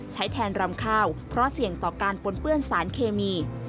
ใช้แทนรำข้าวเพราะเสี่ยงต่อการปนเปื้อนสารเคมี